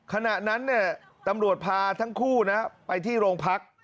ขณะนั้นตำรวจพาทั้งคู่นะไปที่โรงพัก